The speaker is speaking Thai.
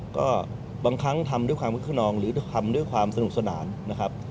ก็บางครั้งทำด้วยความคึกขนองหรือทำด้วยความสนุกสนานนะครับ